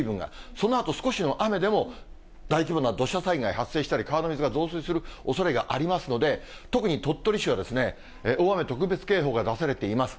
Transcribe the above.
そのあと、少しの雨でも大規模な土砂災害、発生したり、川の水が増水するおそれがありますので、特に鳥取市は大雨特別警報が出されています。